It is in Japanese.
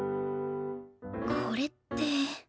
これって。